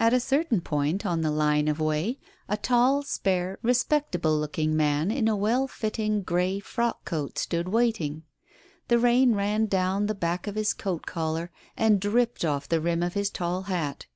At a certain point on the line of way, a tall, spare, respectable looking man in a well fitting grey frock coat stood waiting. The rain ran down the back of his coat collar, and dripped off the rim of his tall hat.